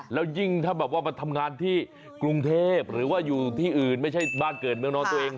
แล้วยิ่งถ้าแบบว่ามาทำงานที่กรุงเทพหรือว่าอยู่ที่อื่นไม่ใช่บ้านเกิดเมืองน้องตัวเอง